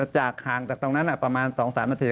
ห่างจากตรงนั้นประมาณ๒๓นาที